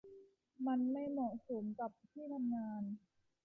มันไม่เหมาะสมกับที่ทำงาน